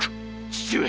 父上。